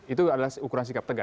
itu adalah ukuran sikap tegas